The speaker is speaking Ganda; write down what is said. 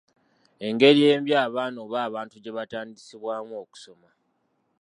Engeri embi abaana oba abantu gye batandisibwamu okusoma.